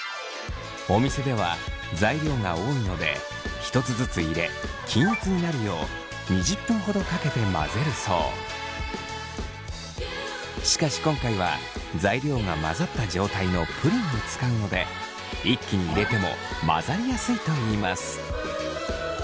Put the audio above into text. お店では材料が多いので１つずつ入れ均一になるようしかし今回は材料が混ざった状態のプリンを使うので一気に入れても混ざりやすいといいます。